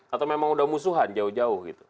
atau memang udah musuhan jauh jauh gitu